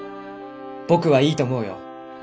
僕はいいと思うよ。